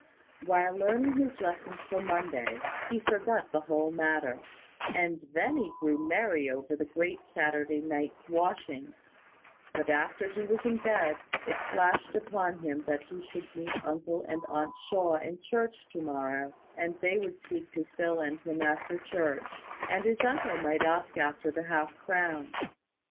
While learning his lessons for Monday, he forgot the whole matter; and then he grew merry over the great Saturday night's washing; but after he was in bed, it flashed upon him that he should meet uncle and aunt Shaw in church to morrow, and they would speak to Phil and him after church; and his uncle might ask after the half crown.